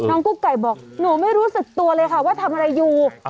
กุ๊กไก่บอกหนูไม่รู้สึกตัวเลยค่ะว่าทำอะไรอยู่